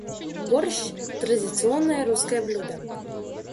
Борщ - традиционное русское блюдо.